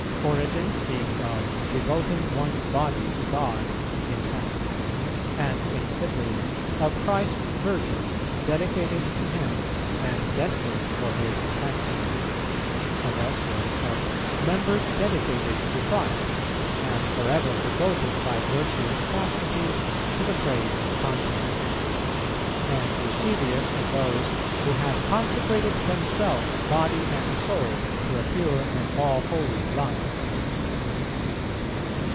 Origen speaks of "devoting one's body to God" in chastity; and St. Cyprian "of Christ's Virgin, dedicated to Him and destined for His sanctity," and elsewhere of "members dedicated to Christ, and for ever devoted by virtuous chastity to the praise of continence;" and Eusebius of those "who had consecrated themselves body and soul to a pure and all holy life."